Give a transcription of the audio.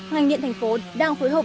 ngành điện thành phố đang phối hợp